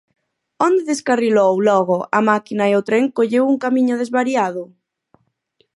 Onde descarrilou, logo, a máquina e o tren colleu un camiño desvariado?